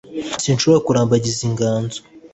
zishobora kurambagiza inganzo